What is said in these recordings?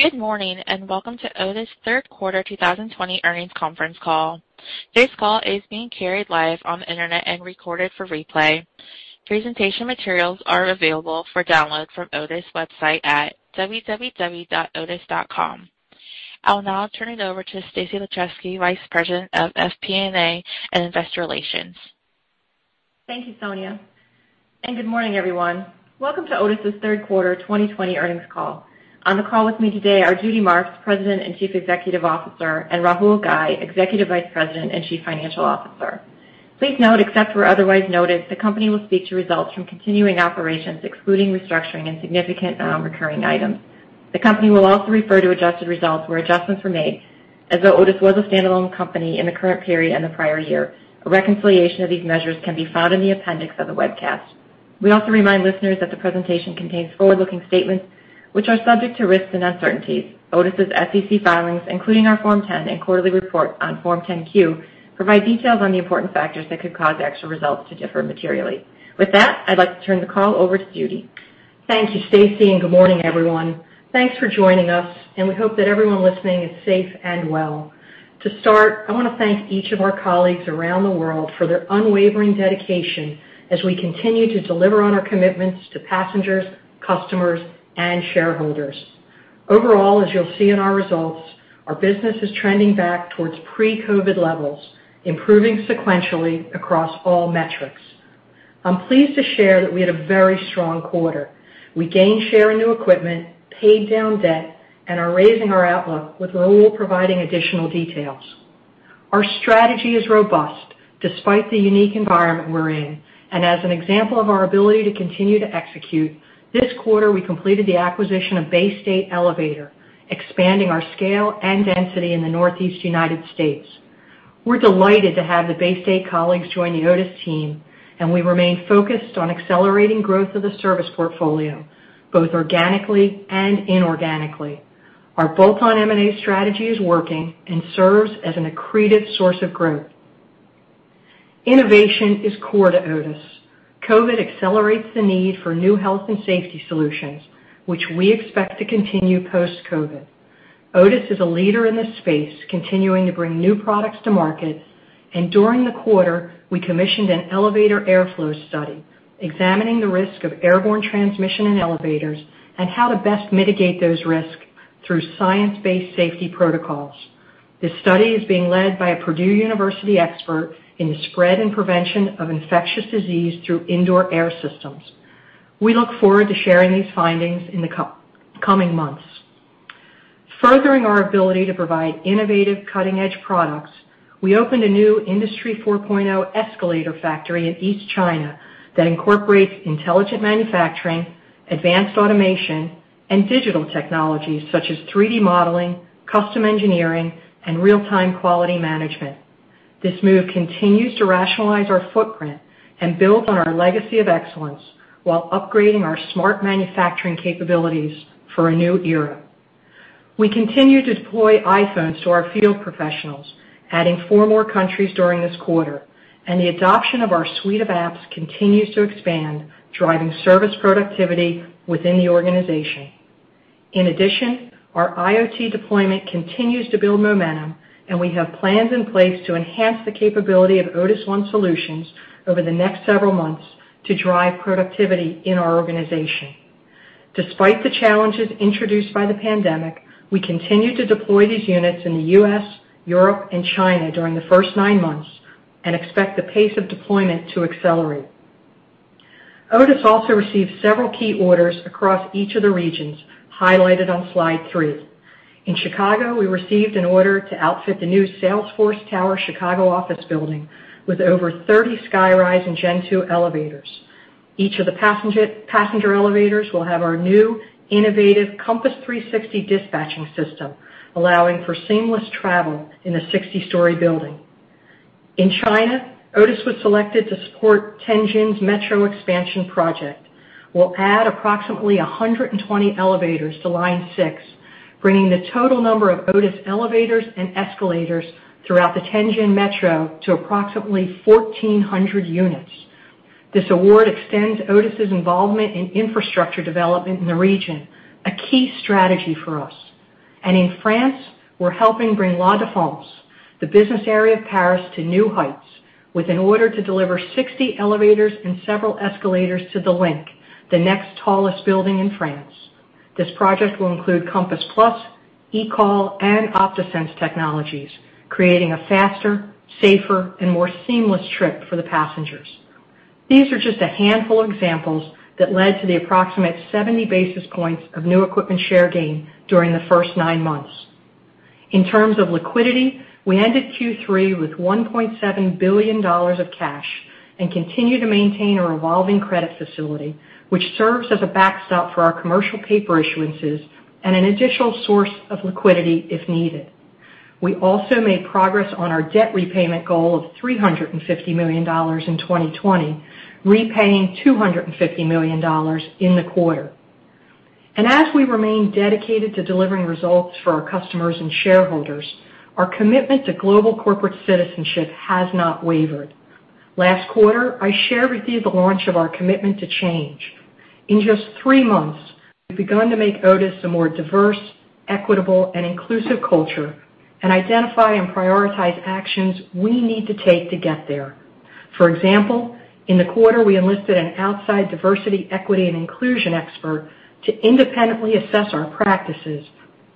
Good morning, and welcome to Otis' Third Quarter 2020 Earnings Conference Call. This call is being carried live on the internet and recorded for replay. Presentation materials are available for download from otis.com. I'll now turn it over to Stacy Laszewski, Vice President of FP&A and Investor Relations. Thank you, Sonia. Good morning, everyone. Welcome to Otis' third quarter 2020 earnings call. On the call with me today are Judy Marks, President and Chief Executive Officer, and Rahul Ghai, Executive Vice President and Chief Financial Officer. Please note, except where otherwise noted, the company will speak to results from continuing operations, excluding restructuring and significant non-recurring items. The company will also refer to adjusted results where adjustments were made as though Otis was a standalone company in the current period and the prior year. A reconciliation of these measures can be found in the appendix of the webcast. We also remind listeners that the presentation contains forward-looking statements which are subject to risks and uncertainties. Otis' SEC filings, including our Form 10 and quarterly report on Form 10-Q, provide details on the important factors that could cause actual results to differ materially. With that, I'd like to turn the call over to Judy. Thank you, Stacy. Good morning, everyone. Thanks for joining us. We hope that everyone listening is safe and well. To start, I want to thank each of our colleagues around the world for their unwavering dedication as we continue to deliver on our commitments to passengers, customers, and shareholders. Overall, as you'll see in our results, our business is trending back towards pre-COVID levels, improving sequentially across all metrics. I'm pleased to share that we had a very strong quarter. We gained share in new equipment, paid down debt, and are raising our outlook with Rahul providing additional details. Our strategy is robust despite the unique environment we're in, and as an example of our ability to continue to execute, this quarter, we completed the acquisition of Bay State Elevator, expanding our scale and density in the Northeast United States. We're delighted to have the Bay State colleagues join the Otis team. We remain focused on accelerating growth of the service portfolio, both organically and inorganically. Our bolt-on M&A strategy is working and serves as an accretive source of growth. Innovation is core to Otis. COVID accelerates the need for new health and safety solutions, which we expect to continue post-COVID. Otis is a leader in this space, continuing to bring new products to market. During the quarter, we commissioned an elevator airflow study examining the risk of airborne transmission in elevators and how to best mitigate those risks through science-based safety protocols. This study is being led by a Purdue University expert in the spread and prevention of infectious disease through indoor air systems. We look forward to sharing these findings in the coming months. Furthering our ability to provide innovative, cutting-edge products, we opened a new Industry 4.0 escalator factory in East China that incorporates intelligent manufacturing, advanced automation, and digital technologies such as 3D modeling, custom engineering, and real-time quality management. This move continues to rationalize our footprint and builds on our legacy of excellence while upgrading our smart manufacturing capabilities for a new era. We continue to deploy iPhones to our field professionals, adding four more countries during this quarter, and the adoption of our suite of apps continues to expand, driving service productivity within the organization. In addition, our IoT deployment continues to build momentum, and we have plans in place to enhance the capability of Otis ONE Solutions over the next several months to drive productivity in our organization. Despite the challenges introduced by the pandemic, we continue to deploy these units in the U.S., Europe, and China during the first nine months and expect the pace of deployment to accelerate. Otis also received several key orders across each of the regions, highlighted on slide three. In Chicago, we received an order to outfit the new Salesforce Tower Chicago office building with over 30 SkyRise and Gen2 elevators. Each of the passenger elevators will have our new innovative Compass360 dispatching system, allowing for seamless travel in a 60-story building. In China, Otis was selected to support Tianjin Metro expansion project. We'll add approximately 120 elevators to Line six, bringing the total number of Otis elevators and escalators throughout the Tianjin Metro to approximately 1,400 units. This award extends Otis' involvement in infrastructure development in the region, a key strategy for us. In France, we're helping bring La Défense, the business area of Paris, to new heights with an order to deliver 60 elevators and several escalators to The Link, the next tallest building in France. This project will include CompassPlus, eCall, and OptiSense technologies, creating a faster, safer, and more seamless trip for the passengers. These are just a handful of examples that led to the approximate 70 basis points of new equipment share gain during the first nine months. In terms of liquidity, we ended Q3 with $1.7 billion of cash and continue to maintain a revolving credit facility, which serves as a backstop for our commercial paper issuances and an additional source of liquidity if needed. We also made progress on our debt repayment goal of $350 million in 2020, repaying $250 million in the quarter. As we remain dedicated to delivering results for our customers and shareholders, our commitment to global corporate citizenship has not wavered. Last quarter, I shared with you the launch of our commitment to change. In just three months, we've begun to make Otis a more diverse, equitable, and inclusive culture, and identify and prioritize actions we need to take to get there. For example, in the quarter, we enlisted an outside diversity, equity, and inclusion expert to independently assess our practices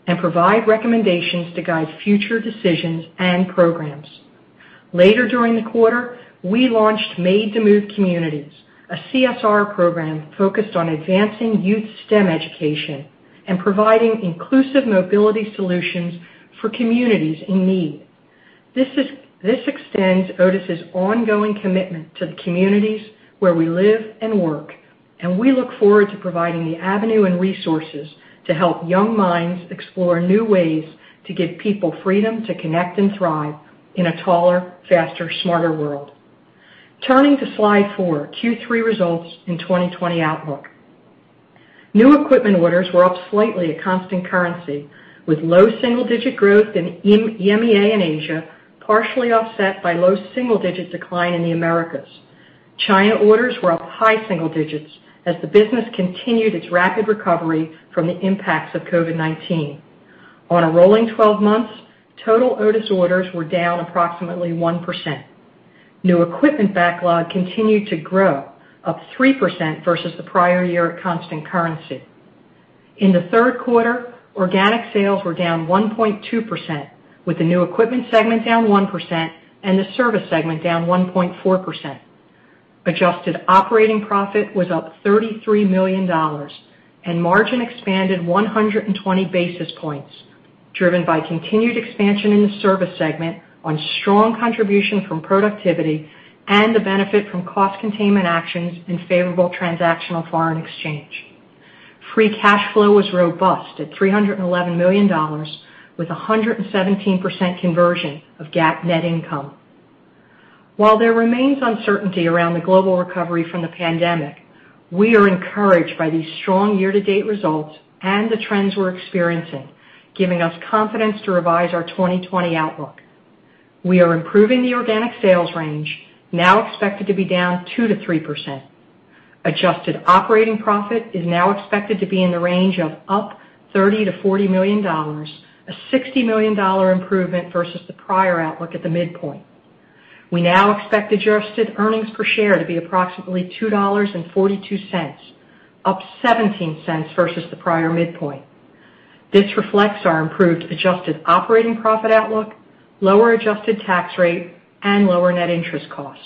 and provide recommendations to guide future decisions and programs. Later during the quarter, we launched Made to Move Communities, a CSR program focused on advancing youth STEM education and providing inclusive mobility solutions for communities in need. This extends Otis' ongoing commitment to the communities where we live and work, and we look forward to providing the avenue and resources to help young minds explore new ways to give people freedom to connect and thrive in a taller, faster, smarter world. Turning to slide four, Q3 results in 2020 outlook. New equipment orders were up slightly at constant currency, with low single-digit growth in EMEA and Asia, partially offset by low single-digit decline in the Americas. China orders were up high single digits as the business continued its rapid recovery from the impacts of COVID-19. On a rolling 12 months, total Otis orders were down approximately one percent. New equipment backlog continued to grow, up three percent versus the prior year at constant currency. In the third quarter, organic sales were down 1.2%, with the new equipment segment down one percent and the service segment down 1.4%. Adjusted operating profit was up $33 million, margin expanded 120 basis points, driven by continued expansion in the service segment on strong contribution from productivity and the benefit from cost containment actions and favorable transactional foreign exchange. Free cash flow was robust at $311 million, with 117% conversion of GAAP net income. While there remains uncertainty around the global recovery from the pandemic, we are encouraged by these strong year-to-date results and the trends we're experiencing, giving us confidence to revise our 2020 outlook. We are improving the organic sales range, now expected to be down 2%-3%. Adjusted operating profit is now expected to be in the range of up $30 million-$40 million, a $60 million improvement versus the prior outlook at the midpoint. We now expect adjusted earnings per share to be approximately $2.42, up $0.17 versus the prior midpoint. This reflects our improved adjusted operating profit outlook, lower adjusted tax rate, and lower net interest costs.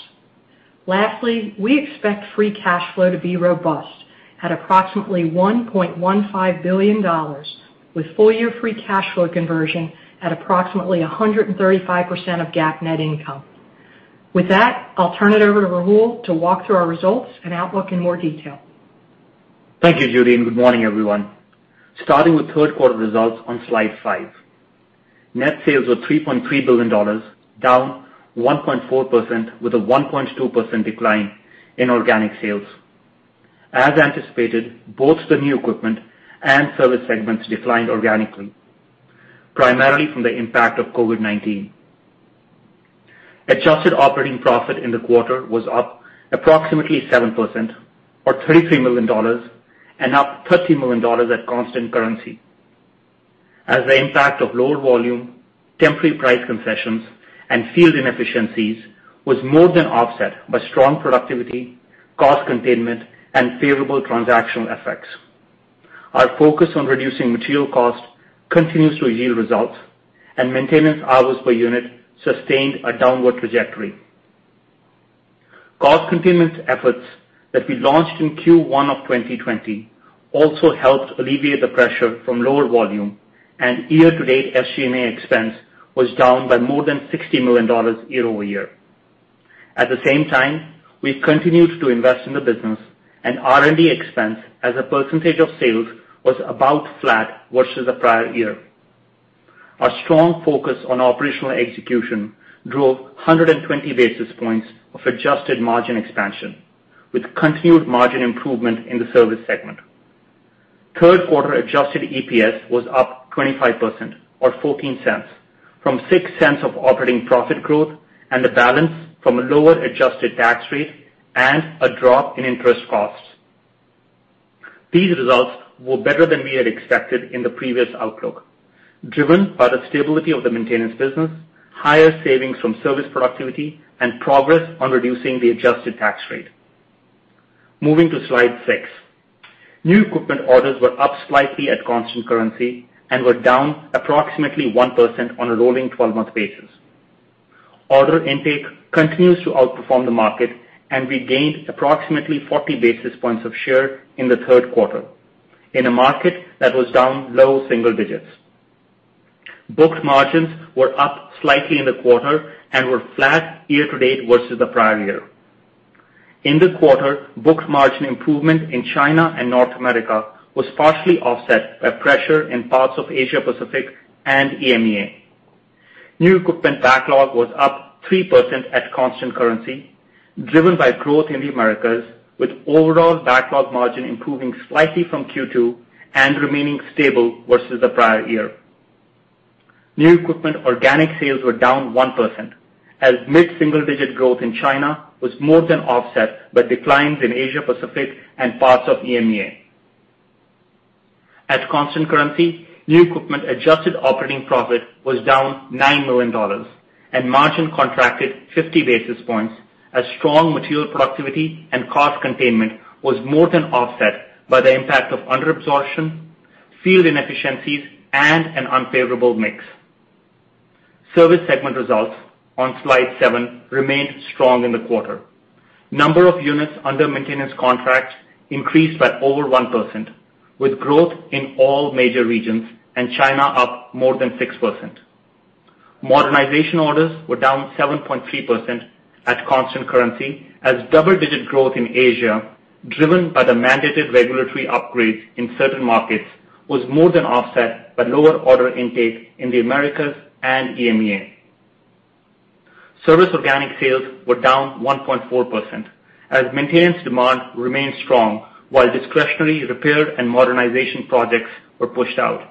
Lastly, we expect free cash flow to be robust at approximately $1.15 billion, with full-year free cash flow conversion at approximately 135% of GAAP net income. With that, I'll turn it over to Rahul to walk through our results and outlook in more detail. Thank you, Judy, and good morning, everyone. Starting with third quarter results on slide five. Net sales were $3.3 billion, down 1.4%, with a 1.2% decline in organic sales. As anticipated, both the new equipment and service segments declined organically, primarily from the impact of COVID-19. Adjusted operating profit in the quarter was up approximately 7%, or $33 million, and up $30 million at constant currency, as the impact of lower volume, temporary price concessions, and field inefficiencies was more than offset by strong productivity, cost containment, and favorable transactional effects. Our focus on reducing material cost continues to yield results, and maintenance hours per unit sustained a downward trajectory. Cost containment efforts that we launched in Q1 of 2020 also helped alleviate the pressure from lower volume, and year-to-date SG&A expense was down by more than $60 million year-over-year. At the same time, we've continued to invest in the business, R&D expense as a % of sales was about flat versus the prior year. Our strong focus on operational execution drove 120 basis points of adjusted margin expansion, with continued margin improvement in the service segment. Third quarter adjusted EPS was up 25%, or $0.14, from $0.06 of operating profit growth and the balance from a lower adjusted tax rate and a drop in interest costs. Moving to slide six. New equipment orders were up slightly at constant currency and were down approximately 1% on a rolling 12-month basis. Order intake continues to outperform the market, and we gained approximately 40 basis points of share in the third quarter, in a market that was down low-single-digits. Booked margins were up slightly in the quarter and were flat year to date versus the prior year. In the quarter, booked margin improvement in China and North America was partially offset by pressure in parts of Asia Pacific and EMEA. New equipment backlog was up 3% at constant currency, driven by growth in the Americas, with overall backlog margin improving slightly from Q2 and remaining stable versus the prior year. New equipment organic sales were down 1%, as mid-single-digit growth in China was more than offset by declines in Asia Pacific and parts of EMEA. At constant currency, new equipment adjusted operating profit was down $9 million, margin contracted 50 basis points as strong material productivity and cost containment was more than offset by the impact of under-absorption, field inefficiencies, and an unfavorable mix. Service segment results on slide seven remained strong in the quarter. Number of units under maintenance contracts increased by over 1%, with growth in all major regions and China up more than 6%. Modernization orders were down 7.3% at constant currency as double-digit growth in Asia, driven by the mandated regulatory upgrades in certain markets, was more than offset by lower order intake in the Americas and EMEA. Service organic sales were down 1.4%, as maintenance demand remained strong while discretionary repair and modernization projects were pushed out.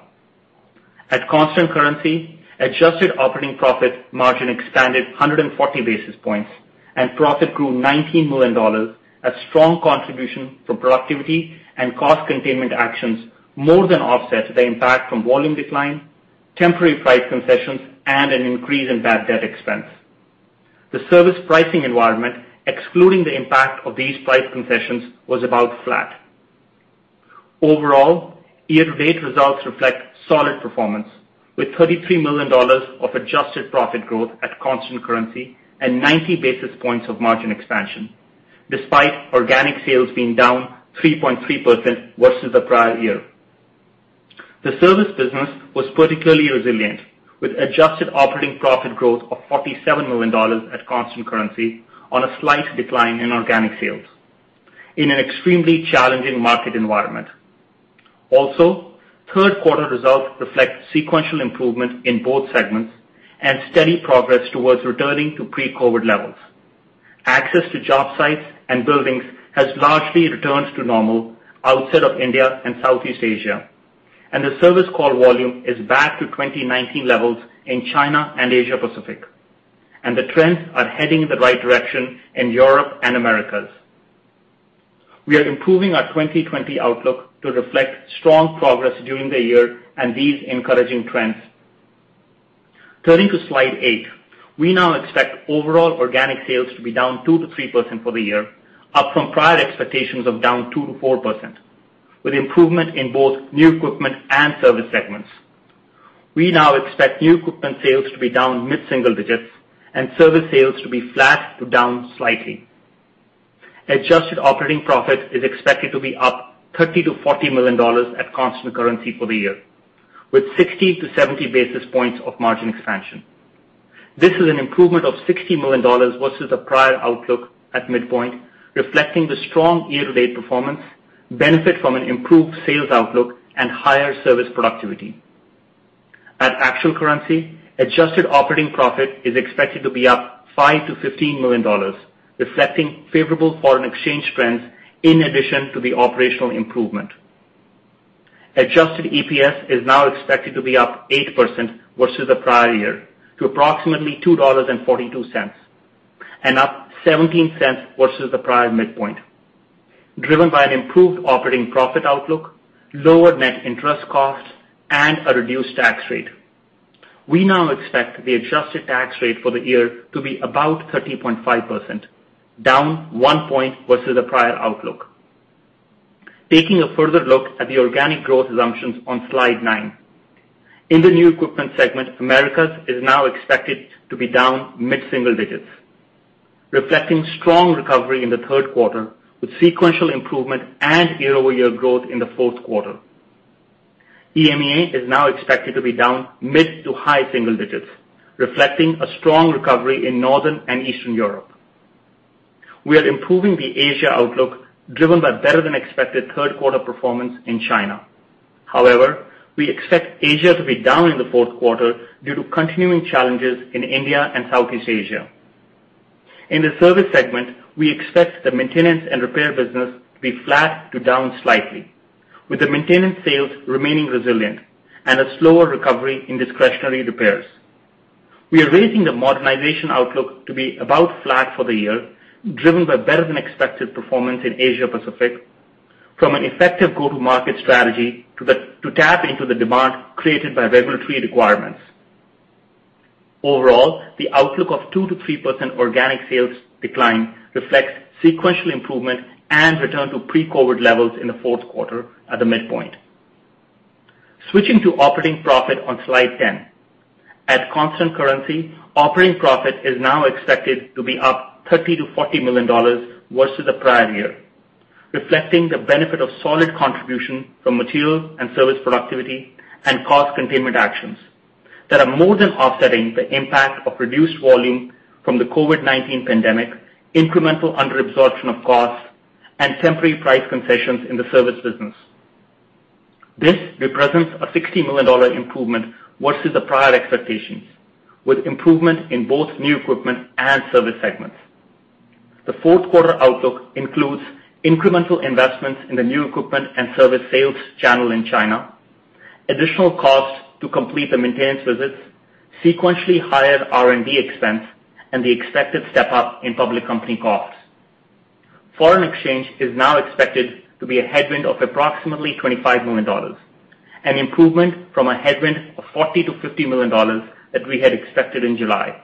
At constant currency, adjusted operating profit margin expanded 140 basis points and profit grew $19 million as strong contribution from productivity and cost containment actions more than offset the impact from volume decline, temporary price concessions, and an increase in bad debt expense. The service pricing environment, excluding the impact of these price concessions, was about flat. Overall, year-to-date results reflect solid performance, with $33 million of adjusted profit growth at constant currency and 90 basis points of margin expansion despite organic sales being down 3.3% versus the prior year. The service business was particularly resilient, with adjusted operating profit growth of $47 million at constant currency on a slight decline in organic sales in an extremely challenging market environment. Also, third quarter results reflect sequential improvement in both segments and steady progress towards returning to pre-COVID levels. Access to job sites and buildings has largely returned to normal outside of India and Southeast Asia. The service call volume is back to 2019 levels in China and Asia Pacific. The trends are heading in the right direction in Europe and Americas. We are improving our 2020 outlook to reflect strong progress during the year and these encouraging trends. Turning to slide eight. We now expect overall organic sales to be down 2%-3% for the year, up from prior expectations of down 2%-4%, with improvement in both new equipment and service segments. We now expect new equipment sales to be down mid-single digits and service sales to be flat to down slightly. Adjusted operating profit is expected to be up $30 million-$40 million at constant currency for the year, with 60-70 basis points of margin expansion. This is an improvement of $60 million versus the prior outlook at midpoint, reflecting the strong year-to-date performance, benefit from an improved sales outlook, and higher service productivity. At actual currency, adjusted operating profit is expected to be up $5 million-$15 million, reflecting favorable foreign exchange trends in addition to the operational improvement. Adjusted EPS is now expected to be up 8% versus the prior year to approximately $2.42 and up $0.17 versus the prior midpoint, driven by an improved operating profit outlook, lower net interest costs, and a reduced tax rate. We now expect the adjusted tax rate for the year to be about 30.5%, down one point versus the prior outlook. Taking a further look at the organic growth assumptions on slide nine. In the new equipment segment, Americas is now expected to be down mid-single digits, reflecting strong recovery in the third quarter with sequential improvement and year-over-year growth in the fourth quarter. EMEA is now expected to be down mid to high single digits, reflecting a strong recovery in Northern and Eastern Europe. We are improving the Asia outlook, driven by better-than-expected third quarter performance in China. We expect Asia to be down in the fourth quarter due to continuing challenges in India and Southeast Asia. In the service segment, we expect the maintenance and repair business to be flat to down slightly, with the maintenance sales remaining resilient and a slower recovery in discretionary repairs. We are raising the modernization outlook to be about flat for the year, driven by better-than-expected performance in Asia Pacific from an effective go-to-market strategy to tap into the demand created by regulatory requirements. Overall, the outlook of 2%-3% organic sales decline reflects sequential improvement and return to pre-COVID levels in the fourth quarter at the midpoint. Switching to operating profit on slide 10. At constant currency, operating profit is now expected to be up $30 million-$40 million versus the prior year, reflecting the benefit of solid contribution from material and service productivity and cost containment actions that are more than offsetting the impact of reduced volume from the COVID-19 pandemic, incremental under-absorption of costs, and temporary price concessions in the service business. This represents a $60 million improvement versus the prior expectations, with improvement in both new equipment and service segments. The fourth quarter outlook includes incremental investments in the new equipment and service sales channel in China, additional costs to complete the maintenance visits, sequentially higher R&D expense, and the expected step-up in public company costs. Foreign exchange is now expected to be a headwind of approximately $25 million, an improvement from a headwind of $40 million to $50 million that we had expected in July,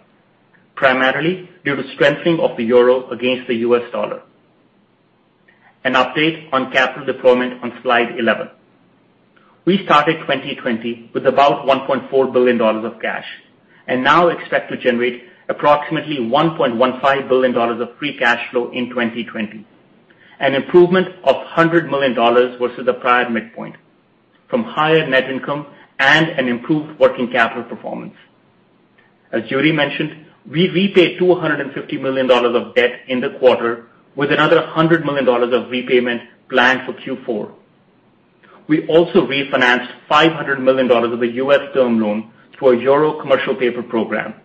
primarily due to strengthening of the euro against the U.S. dollar. An update on capital deployment on slide 11. We started 2020 with about $1.4 billion of cash and now expect to generate approximately $1.15 billion of free cash flow in 2020, an improvement of $100 million versus the prior midpoint from higher net income and an improved working capital performance. As Judy mentioned, we repaid $250 million of debt in the quarter with another $100 million of repayment planned for Q4. We also refinanced $500 million of a U.S. term loan through our Euro Commercial Paper program,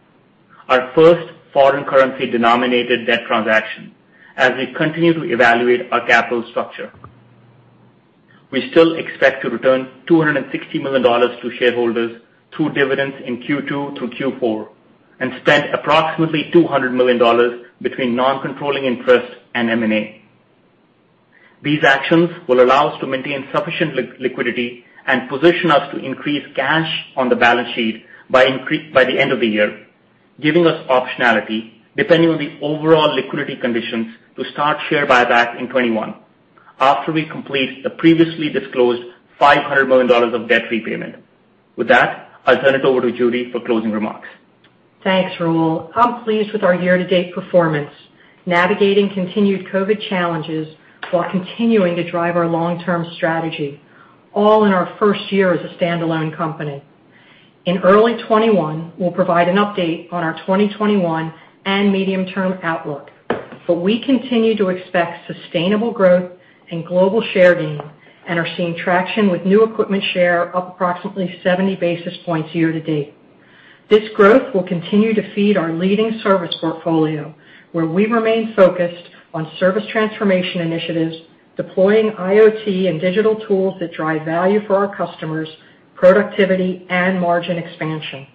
our first foreign currency denominated debt transaction, as we continue to evaluate our capital structure. We still expect to return $260 million to shareholders through dividends in Q2 through Q4 and spend approximately $200 million between non-controlling interests and M&A. These actions will allow us to maintain sufficient liquidity and position us to increase cash on the balance sheet by the end of the year, giving us optionality depending on the overall liquidity conditions to start share buyback in 2021 after we complete the previously disclosed $500 million of debt repayment. With that, I'll turn it over to Judy for closing remarks. Thanks, Rahul. I'm pleased with our year-to-date performance, navigating continued COVID challenges while continuing to drive our long-term strategy, all in our first year as a standalone company. In early 2021, we'll provide an update on our 2021 and medium-term outlook. We continue to expect sustainable growth and global share gain and are seeing traction with new equipment share up approximately 70 basis points year-to-date. This growth will continue to feed our leading service portfolio, where we remain focused on service transformation initiatives, deploying IoT and digital tools that drive value for our customers, productivity, and margin expansion.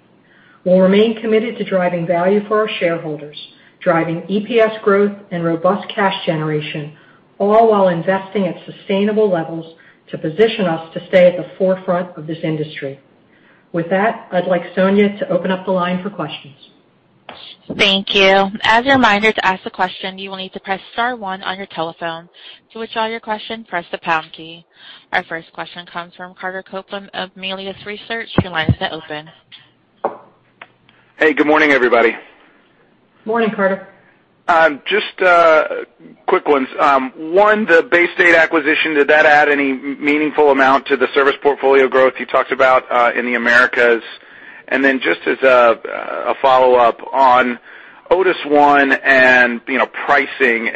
We'll remain committed to driving value for our shareholders, driving EPS growth and robust cash generation, all while investing at sustainable levels to position us to stay at the forefront of this industry. With that, I'd like Sonia to open up the line for questions. Thank you. As a reminder to ask a question, you will need to press star one on your telephone. To withdraw your question, press the pound key. Our first question comes from Carter Copeland of Melius Research. Your line is now open. Hey, good morning, everybody. Morning, Carter. Just quick ones. One, the Bay State acquisition, did that add any meaningful amount to the service portfolio growth you talked about in the Americas? Then just as a follow-up on Otis ONE and pricing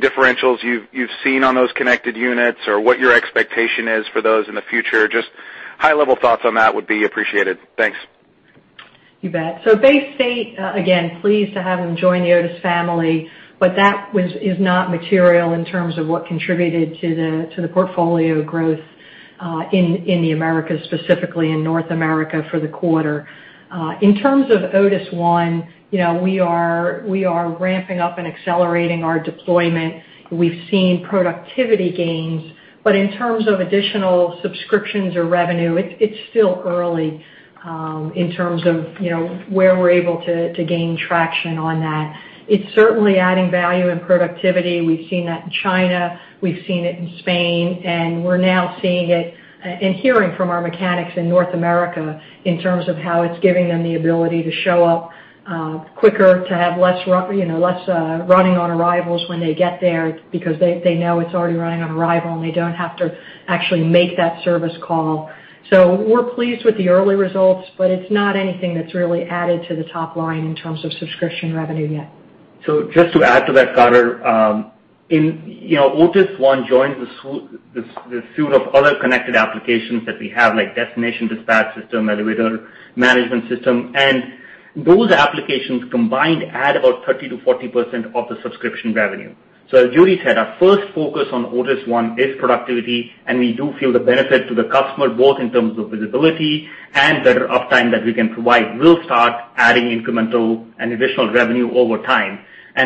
differentials you've seen on those connected units or what your expectation is for those in the future. Just high-level thoughts on that would be appreciated. Thanks. You bet. Bay State, again, pleased to have them join the Otis family, but that is not material in terms of what contributed to the portfolio growth in the Americas, specifically in North America for the quarter. In terms of Otis ONE, we are ramping up and accelerating our deployment. We've seen productivity gains, but in terms of additional subscriptions or revenue, it's still early in terms of where we're able to gain traction on that. It's certainly adding value and productivity. We've seen that in China. We've seen it in Spain, we're now seeing it and hearing from our mechanics in North America in terms of how it's giving them the ability to show up quicker, to have less running on arrivals when they get there because they know it's already running on arrival, and they don't have to actually make that service call. We're pleased with the early results, but it's not anything that's really added to the top line in terms of subscription revenue yet. Just to add to that, Carter, Otis ONE joins the suite of other connected applications that we have, like destination dispatch system, elevator management system, and those applications combined add about 30%-40% of the subscription revenue. As Judy said, our first focus on Otis ONE is productivity, and we do feel the benefit to the customer, both in terms of visibility and better uptime that we can provide. We'll start adding incremental and additional revenue over time.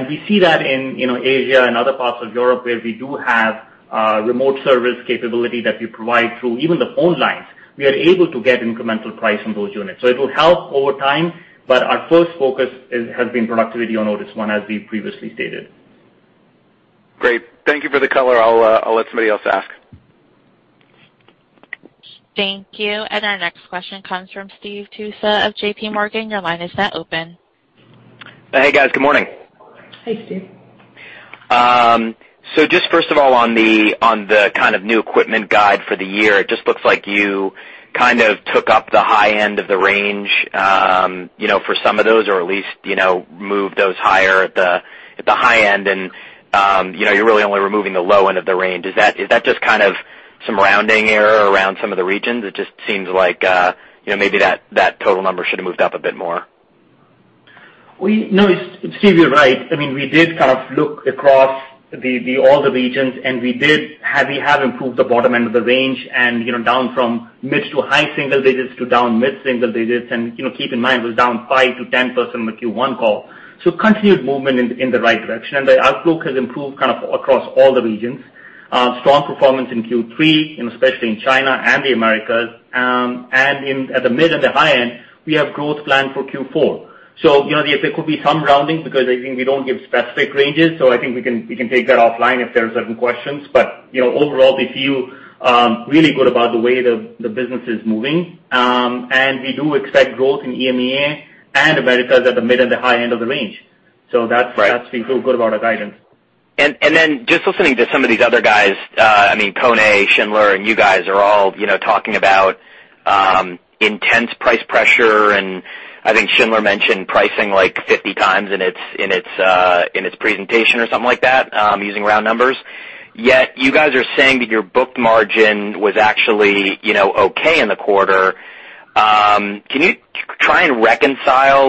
We see that in Asia and other parts of Europe, where we do have remote service capability that we provide through even the phone lines. We are able to get incremental price on those units. It will help over time, but our first focus has been productivity on Otis ONE, as we've previously stated. Great. Thank you for the color. I'll let somebody else ask. Thank you. Our next question comes from Steve Tusa of JPMorgan. Your line is now open. Hey, guys. Good morning. Hey, Steve. Just first of all, on the kind of new equipment guide for the year, it just looks like you kind of took up the high end of the range for some of those, or at least moved those higher at the high end, and you're really only removing the low end of the range. Is that just kind of some rounding error around some of the regions? It just seems like maybe that total number should have moved up a bit more. No, Steve, you're right. We did kind of look across all the regions. We have improved the bottom end of the range, down from mid to high single digits to down mid-single digits. Keep in mind, it was down five to 10% in the Q1 call. Continued movement in the right direction. The outlook has improved kind of across all the regions. Strong performance in Q3, especially in China and the Americas. At the mid and the high end, we have growth planned for Q4. There could be some rounding because I think we don't give specific ranges, so I think we can take that offline if there are certain questions. Overall, we feel really good about the way the business is moving. We do expect growth in EMEA and Americas at the mid and the high end of the range. Right. We feel good about our guidance. Then just listening to some of these other guys, KONE, Schindler, and you guys are all talking about intense price pressure, and I think Schindler mentioned pricing like 50 times in its presentation or something like that, using round numbers. Yet you guys are saying that your booked margin was actually okay in the quarter. Can you try and reconcile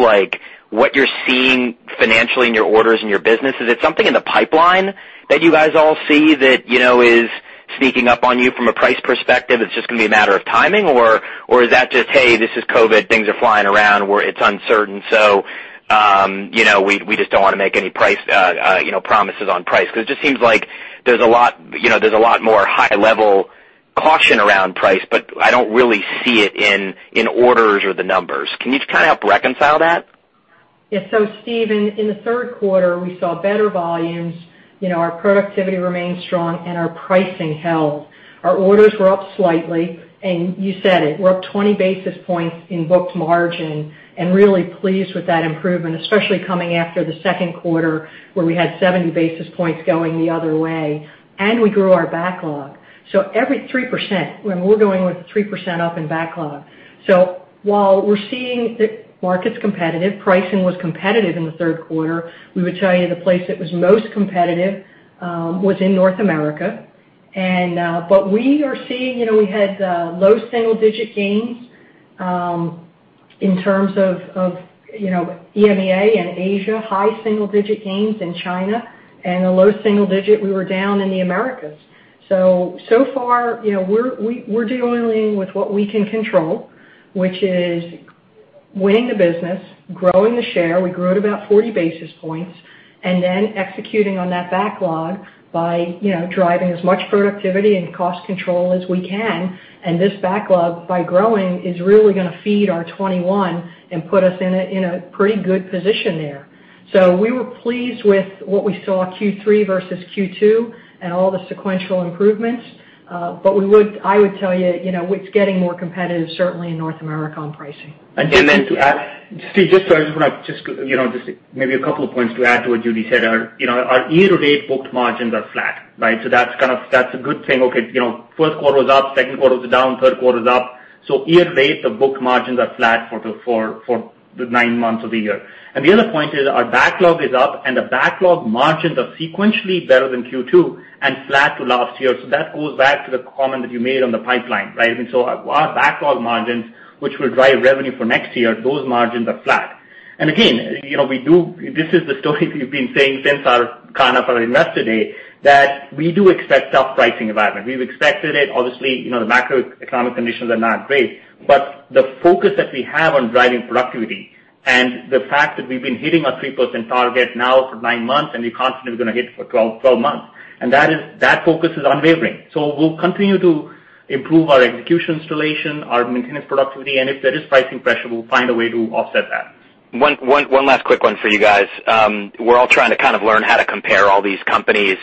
what you're seeing financially in your orders and your business? Is it something in the pipeline that you guys all see that is sneaking up on you from a price perspective, it's just going to be a matter of timing, or is that just, "Hey, this is COVID-19."? Things are flying around where it's uncertain, so we just don't want to make any promises on price. It just seems like there's a lot more high-level caution around price, but I don't really see it in orders or the numbers. Can you kind of help reconcile that? Steve, in the third quarter, we saw better volumes. Our productivity remained strong and our pricing held. Our orders were up slightly. You said it, we're up 20 basis points in booked margin and really pleased with that improvement, especially coming after the second quarter where we had 70 basis points going the other way. We grew our backlog. Every 3%, when we're going with 3% up in backlog. While we're seeing the market's competitive, pricing was competitive in the third quarter, we would tell you the place that was most competitive was in North America. We are seeing, we had low single-digit gains in terms of EMEA and Asia, high single-digit gains in China. A low single digit we were down in the Americas. So far, we're dealing with what we can control, which is winning the business, growing the share. We grew it about 40 basis points, and then executing on that backlog by driving as much productivity and cost control as we can, and this backlog, by growing, is really going to feed our 2021 and put us in a pretty good position there. We were pleased with what we saw Q3 versus Q2 and all the sequential improvements. I would tell you, it's getting more competitive, certainly in North America on pricing. Steve, just maybe a couple of points to add to what Judy said. Our year-to-date booked margins are flat, right? That's a good thing. Okay, first quarter was up, second quarter was down, third quarter's up. Year to date, the booked margins are flat for the nine months of the year. The other point is our backlog is up and the backlog margins are sequentially better than Q2 and flat to last year. That goes back to the comment that you made on the pipeline, right? Our backlog margins, which will drive revenue for next year, those margins are flat. Again, this is the story we've been saying since our investor day that we do expect tough pricing environment. We've expected it. Obviously, the macroeconomic conditions are not great. The focus that we have on driving productivity and the fact that we've been hitting our 3% target now for nine months, and we're constantly going to hit for 12 months, and that focus is unwavering. We'll continue to improve our execution installation, our maintenance productivity, and if there is pricing pressure, we'll find a way to offset that. One last quick one for you guys. We're all trying to kind of learn how to compare all these companies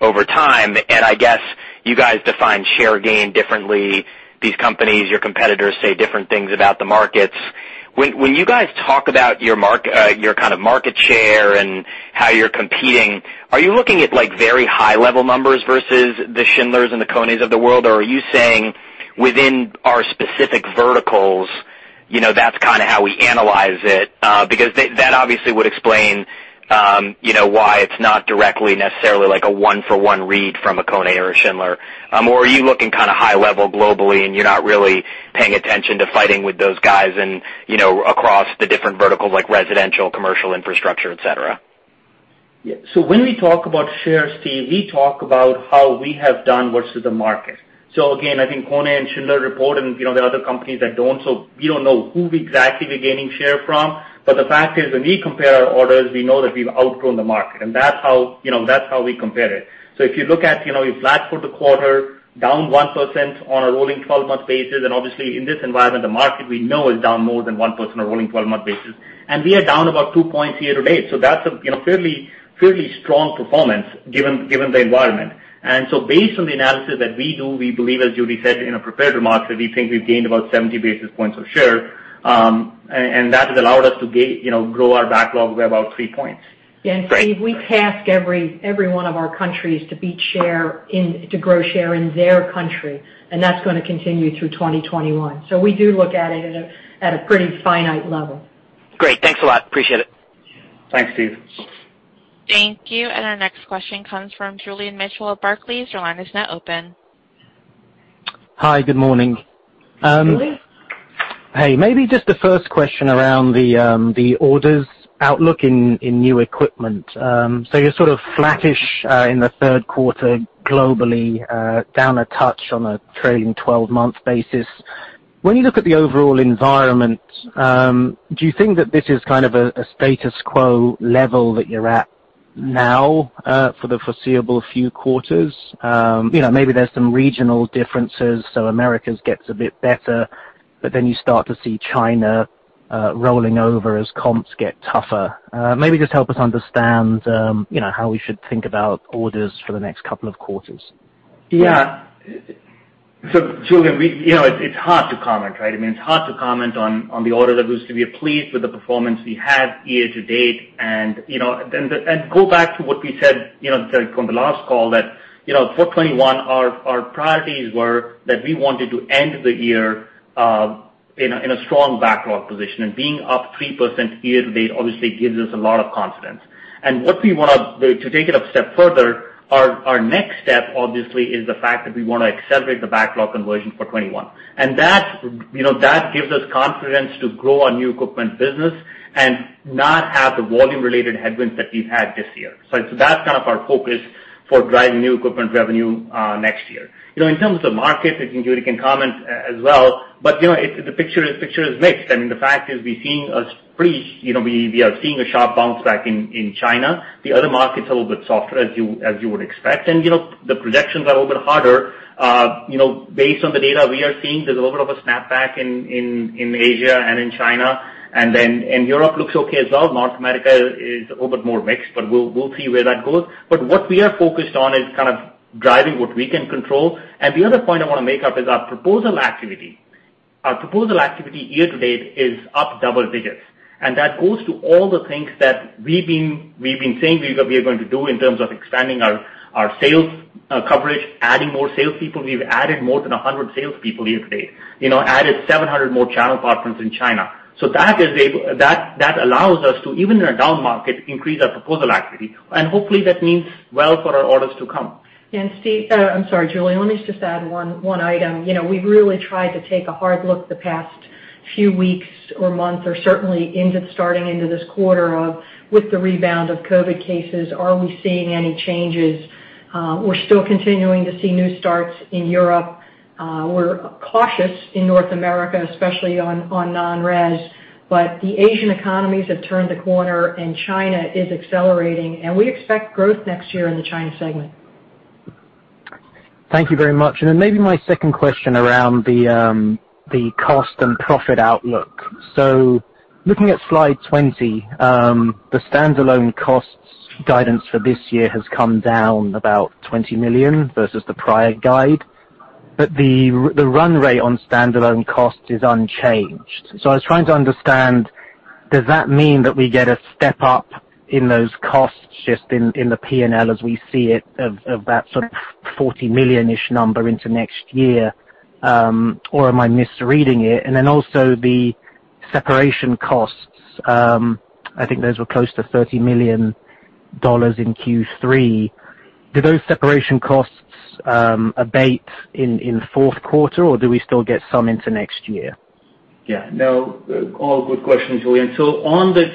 over time, and I guess you guys define share gain differently. These companies, your competitors say different things about the markets. When you guys talk about your kind of market share and how you're competing, are you looking at very high-level numbers versus the Schindlers and the KONEs of the world, or are you saying within our specific verticals, that's kind of how we analyze it? Because that obviously would explain why it's not directly necessarily like a one-for-one read from a KONE or a Schindler. Are you looking kind of high level globally and you're not really paying attention to fighting with those guys and across the different verticals like residential, commercial, infrastructure, et cetera? Yeah. When we talk about shares, Steve, we talk about how we have done versus the market. Again, I think KONE and Schindler report and there are other companies that don't, so we don't know who exactly we're gaining share from. The fact is when we compare our orders, we know that we've outgrown the market, and that's how we compare it. If you look at year flat for the quarter, down 1% on a rolling 12-month basis, and obviously in this environment, the market we know is down more than 1% on a rolling 12-month basis. We are down about two points year-to-date. That's a fairly strong performance given the environment. Based on the analysis that we do, we believe, as Judy said in her prepared remarks, that we think we've gained about 70 basis points of share. That has allowed us to grow our backlog by about three points. Yeah. Steve, we task every one of our countries to grow share in their country. That's going to continue through 2021. We do look at it at a pretty finite level. Great. Thanks a lot. Appreciate it. Thanks, Steve. Thank you. Our next question comes from Julian Mitchell of Barclays. Your line is now open. Hi, good morning. Julian? Hey. Just the first question around the orders outlook in new equipment. You're sort of flattish in the third quarter globally, down a touch on a trailing 12-month basis. When you look at the overall environment, do you think that this is kind of a status quo level that you're at now for the foreseeable few quarters? There's some regional differences, so Americas gets a bit better, but then you start to see China rolling over as comps get tougher. Just help us understand how we should think about orders for the next couple of quarters. Julian, it's hard to comment, right? It's hard to comment on the order of those. We are pleased with the performance we had year to date. Go back to what we said from the last call that for 2021, our priorities were that we wanted to end the year in a strong backlog position, and being up 3% year to date obviously gives us a lot of confidence. To take it a step further, our next step obviously is the fact that we want to accelerate the backlog conversion for 2021. That gives us confidence to grow our new equipment business and not have the volume-related headwinds that we've had this year. That's kind of our focus for driving new equipment revenue next year. In terms of market, and Judy can comment as well, but the picture is mixed. The fact is we are seeing a sharp bounce back in China. The other market's a little bit softer as you would expect. The projections are a little bit harder. Based on the data we are seeing, there's a little bit of a snapback in Asia and in China, and Europe looks okay as well. North America is a little bit more mixed, but we'll see where that goes. What we are focused on is kind of driving what we can control. The other point I want to make up is our proposal activity. Our proposal activity year to date is up double digits, and that goes to all the things that we've been saying we are going to do in terms of expanding our sales coverage, adding more salespeople. We've added more than 100 salespeople year to date, added 700 more channel partners in China. That allows us to, even in a down market, increase our proposal activity, and hopefully that means well for our orders to come. Yeah, Steve-- I'm sorry, Julian, let me just add one item. We've really tried to take a hard look the past few weeks or months, or certainly starting into this quarter of with the rebound of COVID cases, are we seeing any changes? We're still continuing to see new starts in Europe. We're cautious in North America, especially on non-res, but the Asian economies have turned a corner and China is accelerating, and we expect growth next year in the China segment. Thank you very much. Maybe my second question around the cost and profit outlook. Looking at slide 20, the standalone costs guidance for this year has come down about $20 million versus the prior guide, but the run rate on standalone cost is unchanged. I was trying to understand, does that mean that we get a step up in those costs just in the P&L as we see it of that sort of 40 million-ish number into next year? Am I misreading it? Also the separation costs. I think those were close to $30 million in Q3. Do those separation costs abate in fourth quarter, or do we still get some into next year? No, all good questions, Julian. On this,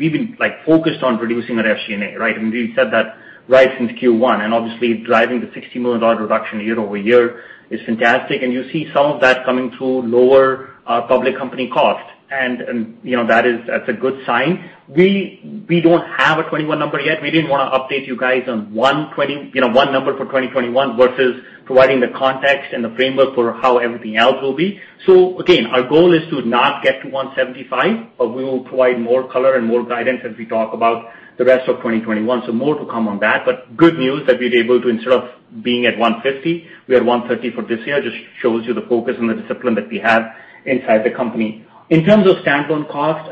we've been focused on reducing our SG&A, right? We've said that right since Q1, and obviously driving the $60 million reduction year-over-year is fantastic, and you see some of that coming through lower public company cost. That's a good sign. We don't have a 2021 number yet. We didn't want to update you guys on one number for 2021 versus providing the context and the framework for how everything else will be. Again, our goal is to not get to $175, but we will provide more color and more guidance as we talk about the rest of 2021. More to come on that. Good news that we're able to instead of being at $150, we are $130 for this year, just shows you the focus and the discipline that we have inside the company. In terms of standalone cost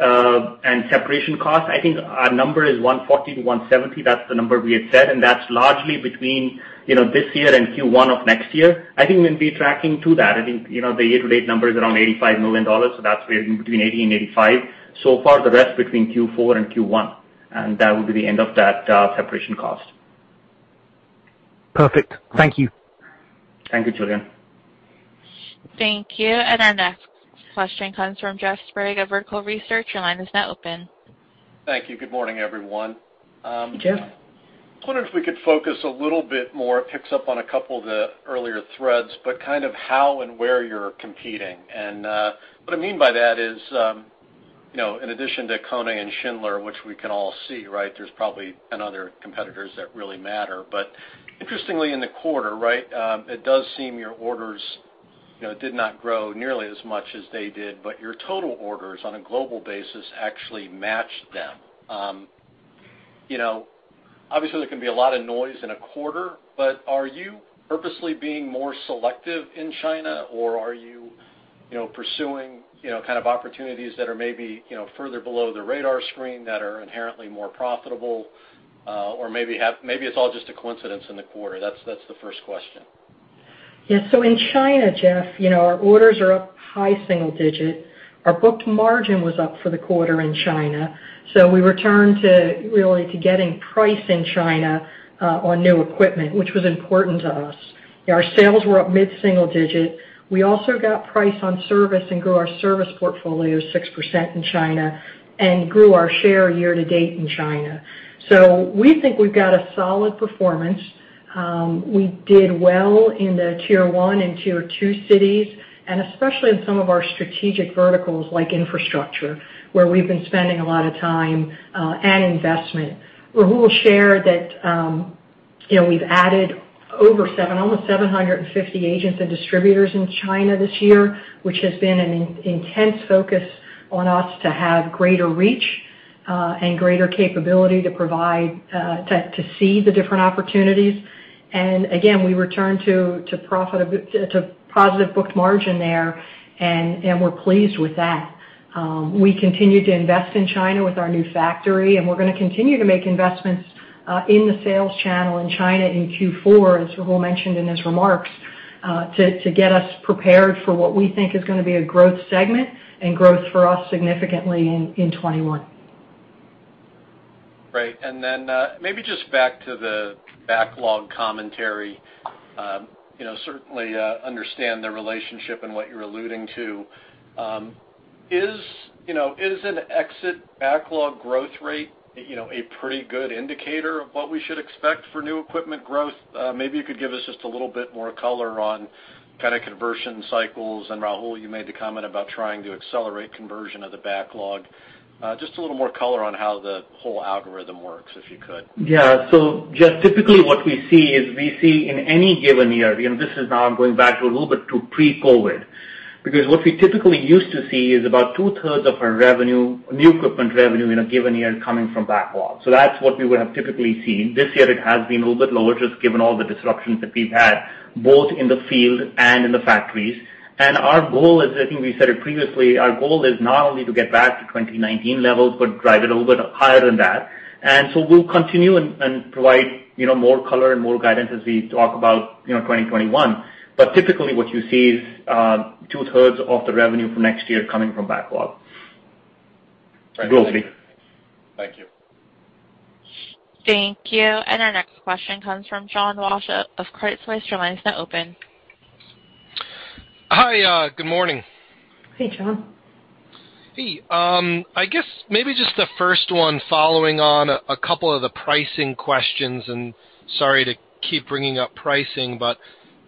and separation cost, I think our number is $140-$170. That's the number we had said, and that's largely between this year and Q1 of next year. I think we'll be tracking to that. I think the year-to-date number is around $85 million, so that's between $80 and $85. So far the rest between Q4 and Q1. That will be the end of that separation cost. Perfect. Thank you. Thank you, Julian. Thank you. Our next question comes from Jeff Sprague at Vertical Research. Your line is now open. Thank you. Good morning, everyone. Jeff. I was wondering if we could focus a little bit more, it picks up on a couple of the earlier threads, but kind of how and where you're competing. What I mean by that is, in addition to KONE and Schindler, which we can all see, right? There's probably other competitors that really matter. Interestingly in the quarter, right? It does seem your orders did not grow nearly as much as they did, but your total orders on a global basis actually matched them. Obviously, there can be a lot of noise in a quarter, but are you purposely being more selective in China, or are you pursuing kind of opportunities that are maybe further below the radar screen that are inherently more profitable? Maybe it's all just a coincidence in the quarter. That's the first question. Yes. In China, Jeff, our orders are up high single-digit. Our booked margin was up for the quarter in China. We returned to really getting price in China on new equipment, which was important to us. Our sales were up mid-single-digit. We also got price on service and grew our service portfolio 6% in China and grew our share year-to-date in China. We think we've got a solid performance. We did well in the Tier 1 and Tier 2 cities, and especially in some of our strategic verticals like infrastructure, where we've been spending a lot of time and investment. Rahul will share that we've added almost 750 agents and distributors in China this year, which has been an intense focus on us to have greater reach and greater capability to see the different opportunities. Again, we return to positive booked margin there. We're pleased with that. We continue to invest in China with our new factory. We're going to continue to make investments in the sales channel in China in Q4, as Rahul mentioned in his remarks, to get us prepared for what we think is going to be a growth segment and growth for us significantly in 2021. Right. Maybe just back to the backlog commentary. Certainly understand the relationship and what you're alluding to. Is an exit backlog growth rate a pretty good indicator of what we should expect for new equipment growth? Maybe you could give us just a little bit more color on kind of conversion cycles. Rahul, you made the comment about trying to accelerate conversion of the backlog. Just a little more color on how the whole algorithm works, if you could. Yeah. Jeff, typically what we see is we see in any given year, this is now going back a little bit to pre-COVID, what we typically used to see is about two-thirds of our new equipment revenue in a given year coming from backlog. That's what we would have typically seen. This year it has been a little bit lower just given all the disruptions that we've had, both in the field and in the factories. Our goal is, I think we said it previously, our goal is not only to get back to 2019 levels, but drive it a little bit higher than that. We'll continue and provide more color and more guidance as we talk about 2021. Typically what you see is two-thirds of the revenue for next year coming from backlog. Right. Globally. Thank you. Thank you. Our next question comes from John Walsh of Credit Suisse. Your line is now open. Hi. Good morning. Hey, John. Hey. I guess maybe just the first one following on a couple of the pricing questions, and sorry to keep bringing up pricing, but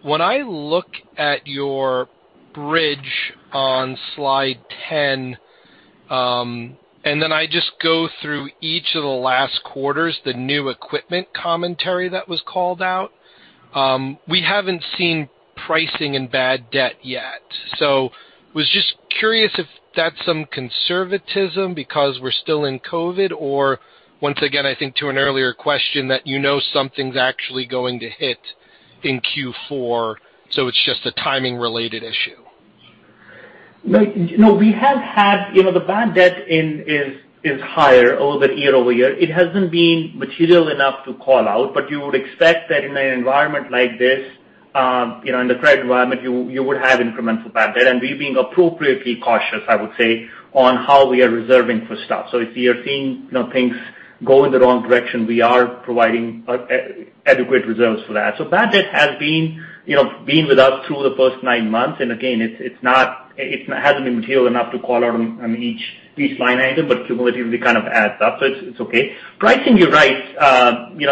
when I look at your bridge on slide 10, and then I just go through each of the last quarters, the new equipment commentary that was called out, we haven't seen pricing and bad debt yet. Was just curious if that's some conservatism because we're still in COVID, or once again, I think to an earlier question that you know something's actually going to hit in Q4, so it's just a timing related issue. No. The bad debt is higher a little bit year-over-year. It hasn't been material enough to call out, you would expect that in an environment like this, in the credit environment, you would have incremental bad debt. We're being appropriately cautious, I would say, on how we are reserving for stuff. If we are seeing things go in the wrong direction, we are providing adequate reserves for that. Bad debt has been with us through the first nine months, again, it hasn't been material enough to call out on each line item, cumulatively kind of adds up. It's okay. Pricing, you're right. We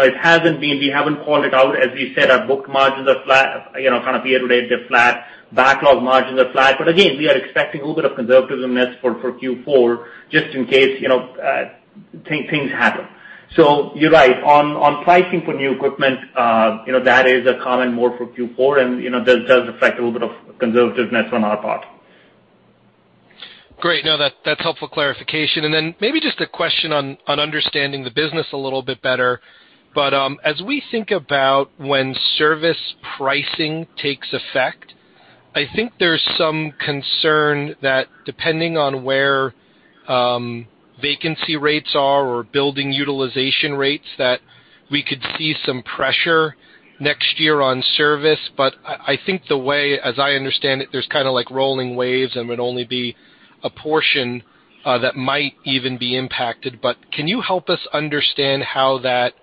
haven't called it out. As we said, our booked margins are kind of year-to-date, they're flat. Backlog margins are flat. Again, we are expecting a little bit of conservativeness for Q4, just in case things happen. You're right. On pricing for new equipment, that is a common norm for Q4, and that does affect a little bit of conservativeness on our part. Great. No, that's helpful clarification. Then maybe just a question on understanding the business a little bit better. As we think about when service pricing takes effect, I think there's some concern that depending on where vacancy rates are or building utilization rates, that we could see some pressure next year on service. I think the way, as I understand it, there's kind of like rolling waves and would only be a portion that might even be impacted. Can you help us understand how that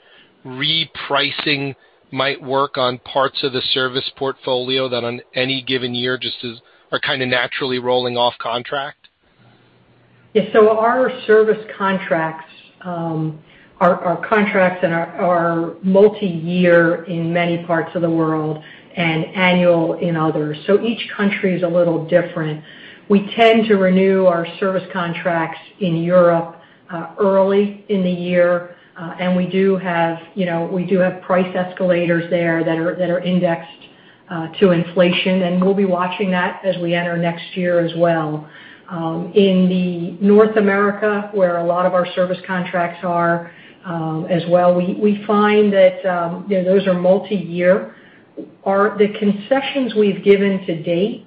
repricing might work on parts of the service portfolio that on any given year just are kind of naturally rolling off contract? Yeah. Our service contracts are multi-year in many parts of the world and annual in others. Each country is a little different. We tend to renew our service contracts in Europe early in the year, and we do have price escalators there that are indexed to inflation, and we'll be watching that as we enter next year as well. In the North America, where a lot of our service contracts are as well, we find that those are multi-year. The concessions we've given to-date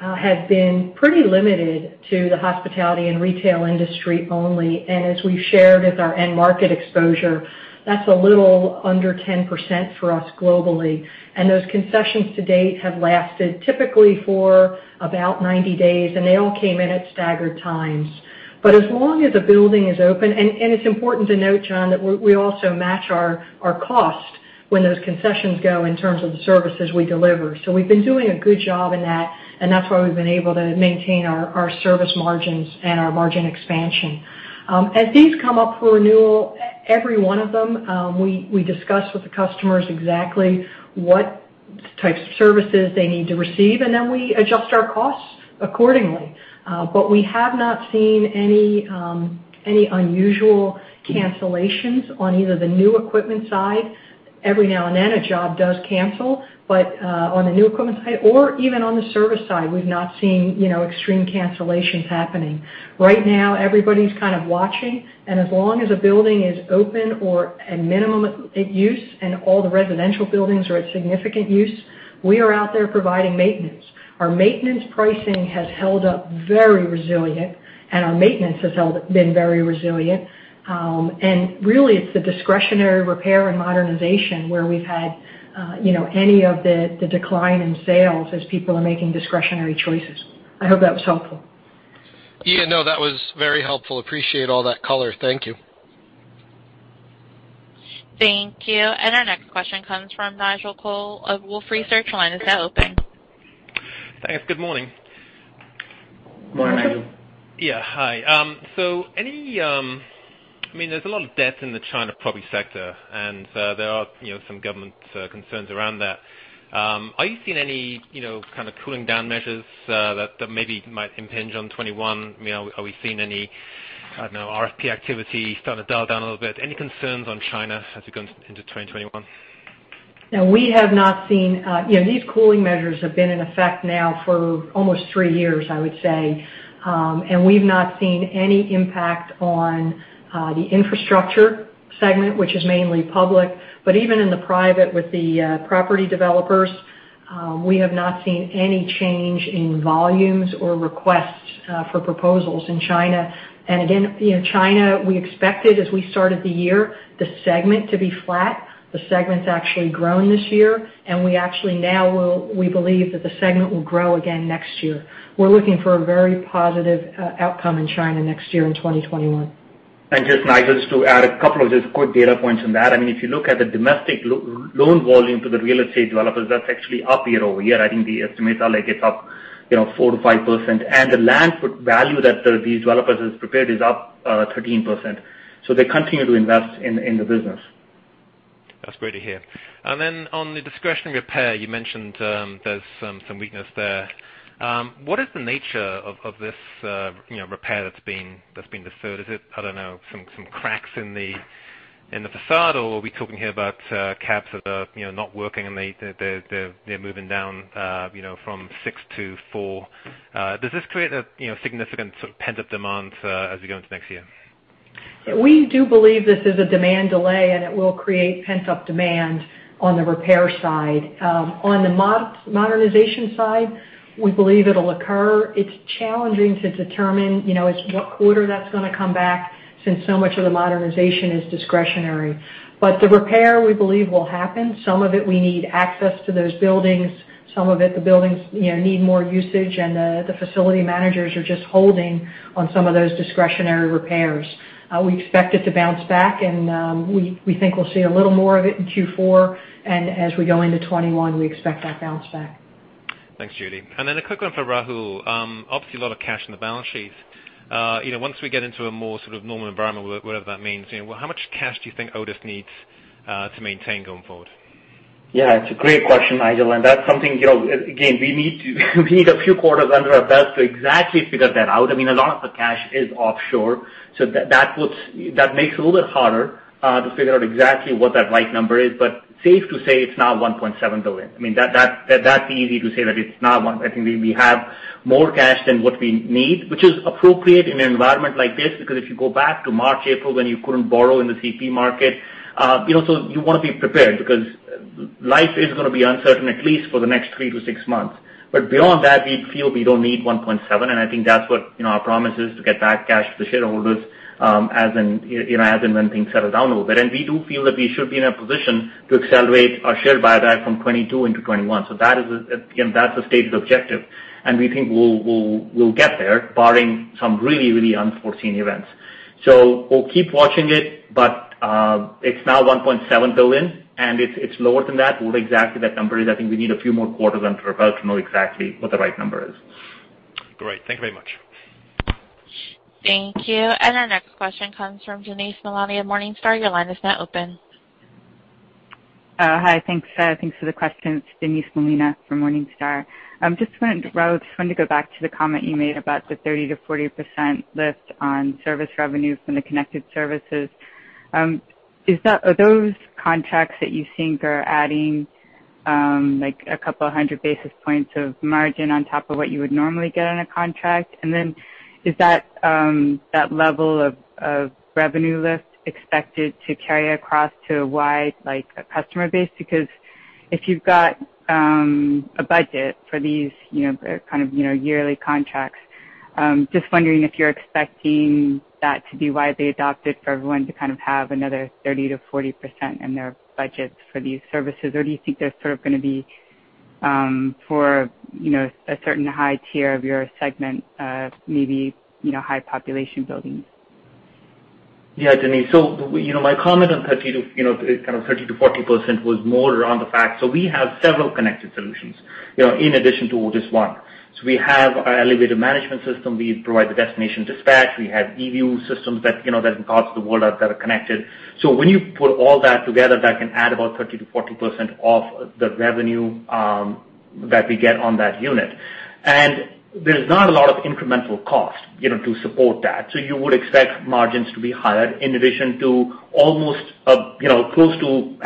have been pretty limited to the hospitality and retail industry only. As we've shared with our end market exposure, that's a little under 10% for us globally. Those concessions to date have lasted typically for about 90 days, and they all came in at staggered times. As long as the building is open, and it's important to note, John, that we also match our cost when those concessions go in terms of the services we deliver. We've been doing a good job in that, and that's why we've been able to maintain our service margins and our margin expansion. As these come up for renewal, every one of them, we discuss with the customers exactly what types of services they need to receive, and then we adjust our costs accordingly. We have not seen any unusual cancellations on either the new equipment side. Every now and then, a job does cancel. On the new equipment side or even on the service side, we've not seen extreme cancellations happening. Right now, everybody's kind of watching, and as long as a building is open or at minimum use and all the residential buildings are at significant use, we are out there providing maintenance. Our maintenance pricing has held up very resilient, and our maintenance has been very resilient. Really it's the discretionary repair and modernization where we've had any of the decline in sales as people are making discretionary choices. I hope that was helpful. Yeah, no, that was very helpful. Appreciate all that color. Thank you. Thank you. Our next question comes from Nigel Coe of Wolfe Research. Is that open? Thanks. Good morning. Morning, Nigel. Yeah, hi. There's a lot of debt in the China property sector, and there are some government concerns around that. Are you seeing any kind of cooling down measures that maybe might impinge on 2021? Are we seeing any, I don't know, RFP activity start to dial down a little bit? Any concerns on China as we go into 2021? No, we have not seen. These cooling measures have been in effect now for almost three years, I would say. We've not seen any impact on the infrastructure segment, which is mainly public. Even in the private with the property developers, we have not seen any change in volumes or requests for proposals in China. Again, China, we expected as we started the year, the segment to be flat. The segment's actually grown this year, and we actually now believe that the segment will grow again next year. We're looking for a very positive outcome in China next year in 2021. Just, Nigel, just to add a couple of just quick data points on that. If you look at the domestic loan volume to the real estate developers, that's actually up year-over-year. I think the estimates are like it's up 4%-5%. The land value that these developers have prepared is up 13%. They continue to invest in the business. That's great to hear. On the discretionary repair, you mentioned there's some weakness there. What is the nature of this repair that's being deferred? Is it, I don't know, some cracks in the facade, or are we talking here about cabs that are not working and they're moving down from six to four? Does this create a significant sort of pent-up demand as we go into next year? We do believe this is a demand delay, and it will create pent-up demand on the repair side. On the modernization side, we believe it'll occur. It's challenging to determine what quarter that's going to come back since so much of the modernization is discretionary. The repair, we believe will happen. Some of it we need access to those buildings, some of it the buildings need more usage, and the facility managers are just holding on some of those discretionary repairs. We expect it to bounce back, and we think we'll see a little more of it in Q4, and as we go into 2021, we expect that bounce back. Thanks, Judy. A quick one for Rahul. Obviously, a lot of cash on the balance sheet. Once we get into a more sort of normal environment, whatever that means, how much cash do you think Otis needs to maintain going forward? Yeah, it's a great question, Nigel. That's something, again, we need a few quarters under our belt to exactly figure that out. A lot of the cash is offshore. That makes it a little bit harder to figure out exactly what that right number is. Safe to say, it's not $1.7 billion. That's easy to say that it's not one. I think we have more cash than what we need, which is appropriate in an environment like this. If you go back to March, April, when you couldn't borrow in the CP market, you want to be prepared because life is going to be uncertain at least for the next three to six months. Beyond that, we feel we don't need $1.7, and I think that's what our promise is to get back cash to the shareholders as and when things settle down a little bit. We do feel that we should be in a position to accelerate our share buyback from 2022 into 2021. That's a stated objective, and we think we'll get there barring some really unforeseen events. We'll keep watching it, but it's now $1.7 billion, and it's lower than that. What exactly that number is, I think we need a few more quarters under our belt to know exactly what the right number is. Great. Thank you very much. Thank you. Our next question comes from Denise Molina of Morningstar. Your line is now open. Hi, thanks for the question. It's Denise Molina from Morningstar. Rahul, just wanted to go back to the comment you made about the 30%-40% lift on service revenues from the connected services. Are those contracts that you think are adding like a couple of hundred basis points of margin on top of what you would normally get on a contract? Is that level of revenue lift expected to carry across to a wide customer base? If you've got a budget for these kind of yearly contracts, just wondering if you're expecting that to be widely adopted for everyone to have another 30%-40% in their budgets for these services, or do you think they're sort of going to be for a certain high tier of your segment of maybe high population buildings? Denise. My comment on 30%-40% was more around the fact, we have several connected solutions in addition to Otis ONE. We have our elevator management system. We provide the destination dispatch. We have eView systems that across the world that are connected. When you put all that together, that can add about 30%-40% of the revenue that we get on that unit. There's not a lot of incremental cost to support that. You would expect margins to be higher in addition to almost as close to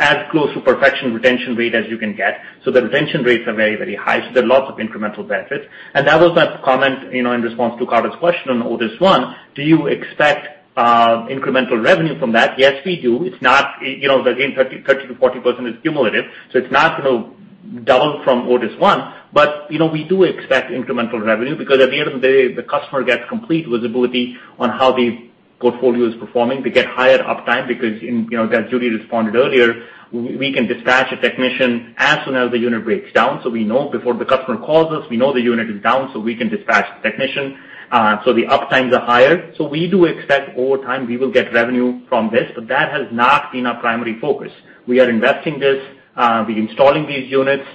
perfection retention rate as you can get. The retention rates are very, very high. There are lots of incremental benefits. That was my comment in response to Carter's question on Otis ONE. Do you expect incremental revenue from that? Yes, we do. 30%-40% is cumulative, so it's not going to double from Otis ONE, but we do expect incremental revenue because at the end of the day, the customer gets complete visibility on how the portfolio is performing. They get higher uptime because as Judy responded earlier, we can dispatch a technician as soon as the unit breaks down. We know before the customer calls us, we know the unit is down, so we can dispatch the technician. The uptimes are higher. We do expect over time we will get revenue from this. That has not been our primary focus. We are investing this, we're installing these units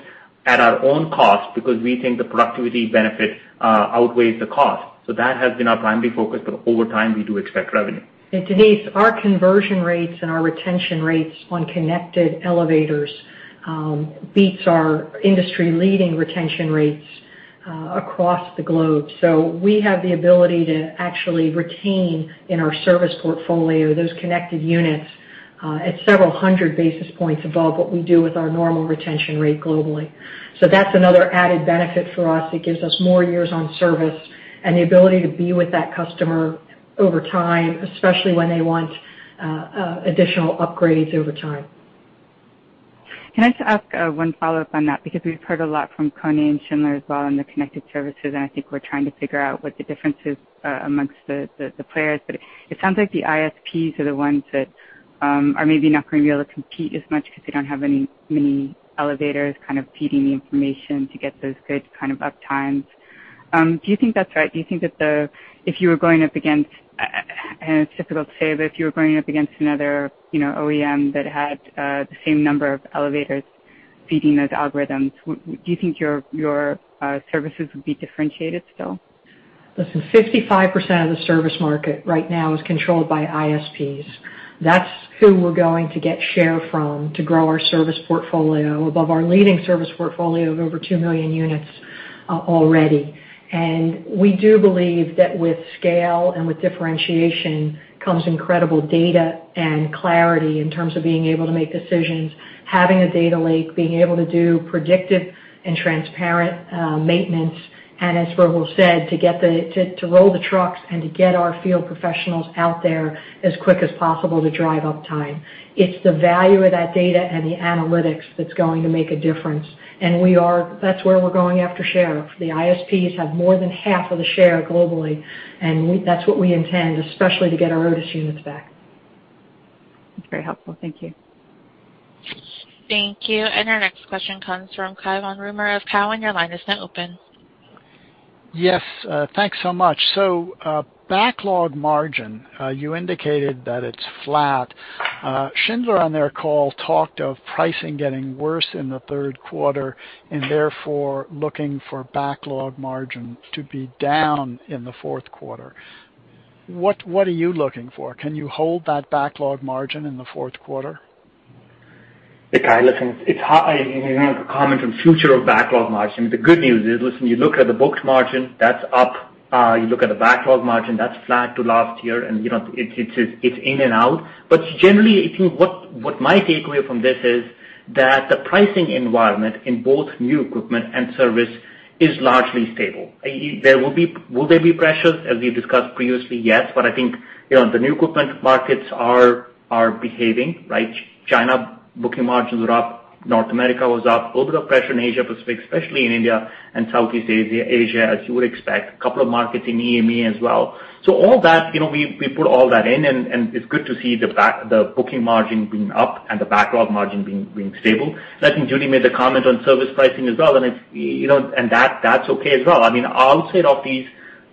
at our own cost because we think the productivity benefit outweighs the cost. That has been our primary focus. Over time, we do expect revenue. Denise, our conversion rates and our retention rates on connected elevators beats our industry-leading retention rates across the globe. We have the ability to actually retain in our service portfolio those connected units at several hundred basis points above what we do with our normal retention rate globally. That's another added benefit for us. It gives us more years on service and the ability to be with that customer over time, especially when they want additional upgrades over time. Can I just ask one follow-up on that? Because we've heard a lot from KONE and Schindler as well on their connected services, and I think we're trying to figure out what the difference is amongst the players. It sounds like the ISPs are the ones that are maybe not going to be able to compete as much because they don't have as many elevators kind of feeding the information to get those good kind of uptimes. Do you think that's right? Do you think that if you were going up against, and it's difficult to say, but if you were going up against another OEM that had the same number of elevators feeding those algorithms, do you think your services would be differentiated still? Listen, 55% of the service market right now is controlled by ISPs. That's who we're going to get share from to grow our service portfolio above our leading service portfolio of over 2 million units already. We do believe that with scale and with differentiation comes incredible data and clarity in terms of being able to make decisions, having a data lake, being able to do predictive and transparent maintenance. As Rahul said, to roll the trucks and to get our field professionals out there as quick as possible to drive uptime. It's the value of that data and the analytics that's going to make a difference. That's where we're going after share. The ISPs have more than half of the share globally, and that's what we intend, especially to get our Otis units back. That's very helpful. Thank you. Thank you. Our next question comes from Cai von Rumohr of Cowen. Yes. Thanks so much. Backlog margin, you indicated that it's flat. Schindler on their call talked of pricing getting worse in the third quarter and therefore looking for backlog margin to be down in the fourth quarter. What are you looking for? Can you hold that backlog margin in the fourth quarter? Hey, Cai. Listen, a comment on future of backlog margin. The good news is, listen, you look at the booked margin, that's up. You look at the backlog margin, that's flat to last year, and it's in and out. Generally, I think what my takeaway from this is that the pricing environment in both new equipment and service is largely stable. Will there be pressures, as we've discussed previously? Yes. I think the new equipment markets are behaving. China booking margins were up, North America was up, a little bit of pressure in Asia Pacific, especially in India and Southeast Asia, as you would expect. A couple of markets in EMEA as well. All that, we put all that in and it's good to see the booking margin being up and the backlog margin being stable. Listen, Judy made the comment on service pricing as well. That's okay as well. I mean, outside of these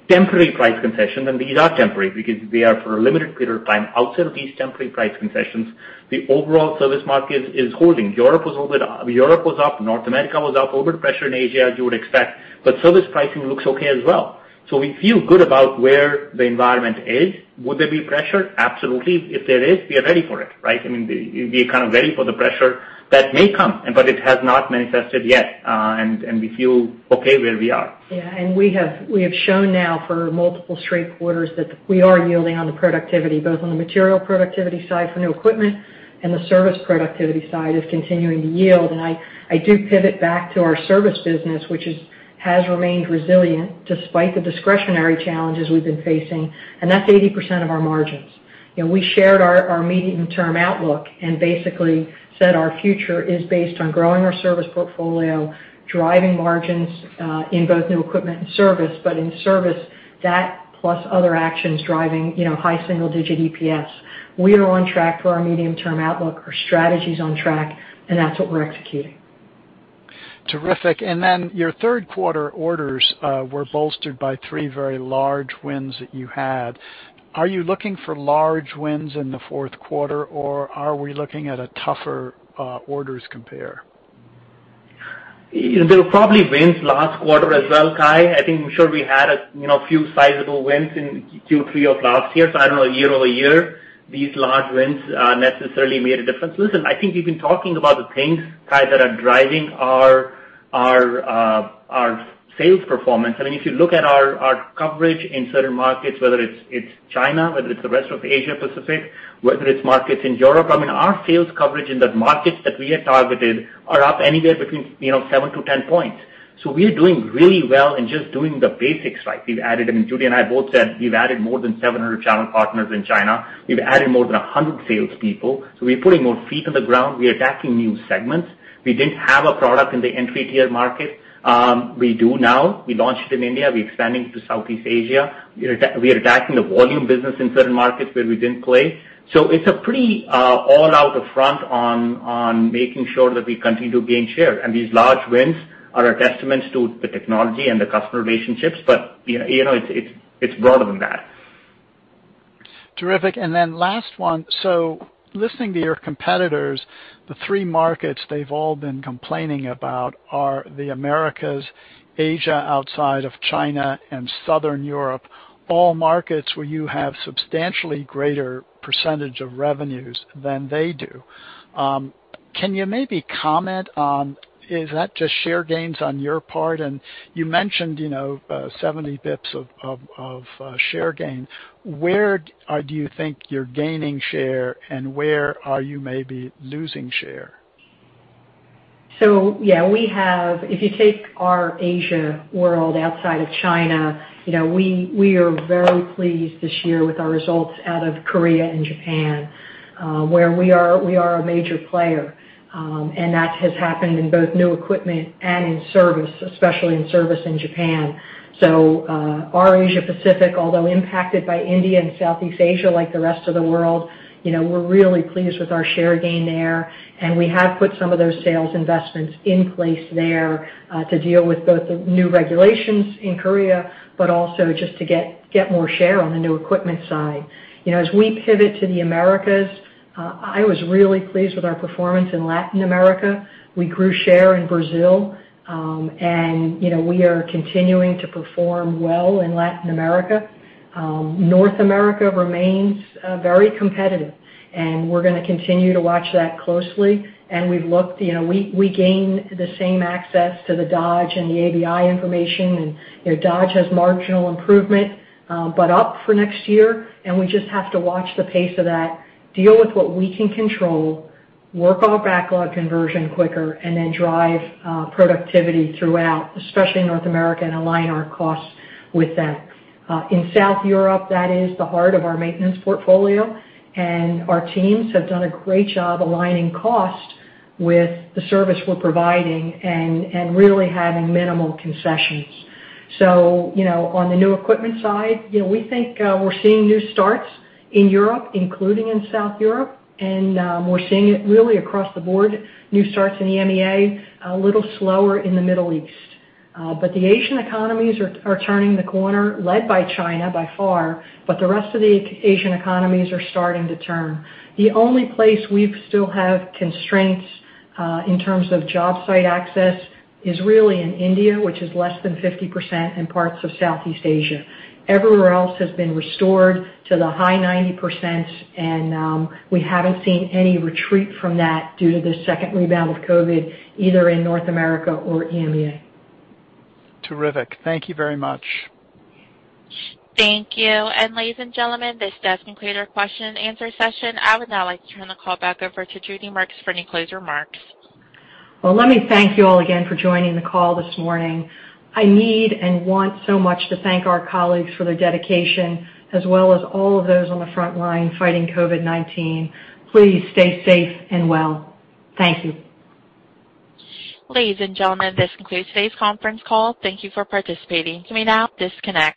temporary price concessions, these are temporary because they are for a limited period of time. Outside of these temporary price concessions, the overall service market is holding. Europe was up, North America was up. A little bit of pressure in Asia, as you would expect, service pricing looks okay as well. We feel good about where the environment is. Would there be pressure? Absolutely. If there is, we are ready for it, right? I mean, we are kind of ready for the pressure that may come. It has not manifested yet. We feel okay where we are. Yeah, we have shown now for multiple straight quarters that we are yielding on the productivity, both on the material productivity side for new equipment and the service productivity side is continuing to yield. I do pivot back to our service business, which has remained resilient despite the discretionary challenges we've been facing. That's 80% of our margins. We shared our medium-term outlook and basically said our future is based on growing our service portfolio, driving margins in both new equipment and service, but in service, that plus other actions driving high single-digit EPS. We are on track for our medium-term outlook. Our strategy's on track, and that's what we're executing. Terrific. Your third quarter orders were bolstered by three very large wins that you had. Are you looking for large wins in the fourth quarter, or are we looking at a tougher orders compare? There were probably wins last quarter as well, Cai. I think, I'm sure we had a few sizable wins in Q3 of last year, so I don't know year-over-year these large wins necessarily made a difference. Listen, I think we've been talking about the things, Cai, that are driving our sales performance. If you look at our coverage in certain markets, whether it's China, whether it's the rest of Asia-Pacific, whether it's markets in Europe, our sales coverage in the markets that we had targeted are up anywhere between 7-10 points. We are doing really well in just doing the basics right. Judy and I both said we've added more than 700 channel partners in China. We've added more than 100 salespeople. We're putting more feet on the ground. We are attacking new segments. We didn't have a product in the entry-tier market. We do now. We launched in India. We're expanding to Southeast Asia. We are attacking the volume business in certain markets where we didn't play. It's a pretty all out the front on making sure that we continue to gain share, and these large wins are a testament to the technology and the customer relationships, but it's broader than that. Terrific. Last one. Listening to your competitors, the three markets they've all been complaining about are the Americas, Asia outside of China, and Southern Europe, all markets where you have substantially greater percentage of revenues than they do. Can you maybe comment on, is that just share gains on your part? You mentioned 70 basis points of share gain. Where do you think you're gaining share, and where are you maybe losing share? Yeah. If you take our Asia world outside of China, we are very pleased this year with our results out of Korea and Japan, where we are a major player. That has happened in both new equipment and in service, especially in service in Japan. Our Asia-Pacific, although impacted by India and Southeast Asia like the rest of the world, we're really pleased with our share gain there, and we have put some of those sales investments in place there, to deal with both the new regulations in Korea, but also just to get more share on the new equipment side. As we pivot to the Americas, I was really pleased with our performance in Latin America. We grew share in Brazil, and we are continuing to perform well in Latin America. North America remains very competitive, and we're going to continue to watch that closely. We gain the same access to the Dodge and the ABI information. Dodge has marginal improvement, up for next year. We just have to watch the pace of that, deal with what we can control, work our backlog conversion quicker, drive productivity throughout, especially in North America, and align our costs with that. In South Europe, that is the heart of our maintenance portfolio. Our teams have done a great job aligning cost with the service we're providing and really having minimal concessions. On the new equipment side, we think we're seeing new starts in Europe, including in South Europe. We're seeing it really across the board, new starts in EMEA, a little slower in the Middle East. The Asian economies are turning the corner, led by China by far, but the rest of the Asian economies are starting to turn. The only place we still have constraints in terms of job site access is really in India, which is less than 50%, and parts of Southeast Asia. Everywhere else has been restored to the high 90%, and we haven't seen any retreat from that due to this second rebound of COVID, either in North America or EMEA. Terrific. Thank you very much. Thank you. Ladies and gentlemen, this does conclude our question and answer session. I would now like to turn the call back over to Judy Marks for any closing remarks. Well, let me thank you all again for joining the call this morning. I need and want so much to thank our colleagues for their dedication, as well as all of those on the front line fighting COVID-19. Please stay safe and well. Thank you. Ladies and gentlemen, this concludes today's conference call. Thank you for participating. You may now disconnect.